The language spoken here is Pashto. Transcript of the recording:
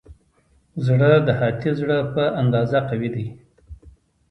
زړه د هاتي زړه په اندازه قوي دی.